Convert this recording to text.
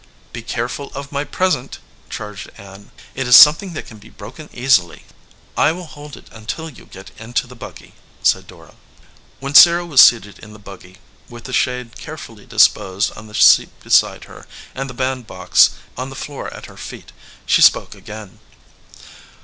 "Be careful of my present," charged Ann. "It is something that can be broken easily." "I will hold it until you get into the buggy," said Dora. When Sarah was seated in the buggy, with the shade carefully disposed on the seat beside her and the bandbox on the floor at her feet, she spoke again.